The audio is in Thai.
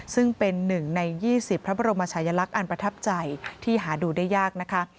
ซึ่งเป็น๑ใน๒๐พระบรมชายลักษณ์อันประทับใจที่หาดูได้ยากนะคะ